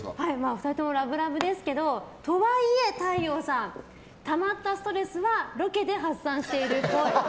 ２人ともラブラブですけどとはいえ太陽さんたまったストレスはロケで発散してるっぽい。